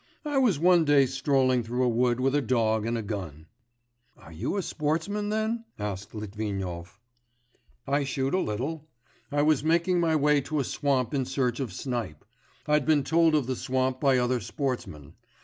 I was one day strolling through a wood with a dog and a gun ' 'Are you a sportsman then?' asked Litvinov. 'I shoot a little. I was making my way to a swamp in search of snipe; I'd been told of the swamp by other sportsmen.